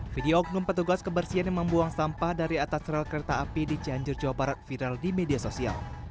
video oknum petugas kebersihan yang membuang sampah dari atas rel kereta api di cianjur jawa barat viral di media sosial